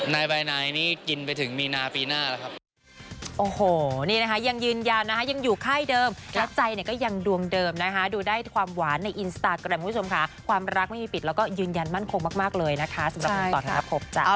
นายบายนายนี่กินไปถึงมีนาปีหน้าแล้วครับ